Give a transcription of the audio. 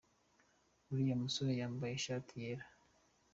Uriya musore yambaye ishati yera.